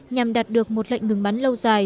nhằm đạt được một lệnh ngừng bắn lâu dài